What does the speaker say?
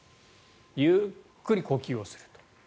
ゆっくり呼吸をする。